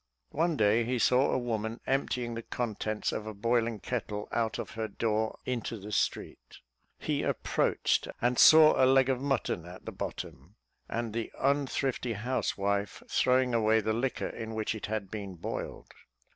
One day he saw a woman emptying the contents of a boiling kettle out of her door into the street. He approached, and saw a leg of mutton at the bottom, and the unthrifty housewife throwing away the liquor in which it had been boiled.